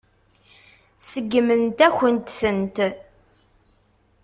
Seggment-akent-tent.